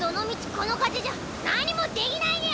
この風じゃ何もできないニャ。